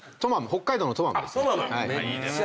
北海道のトマムですね。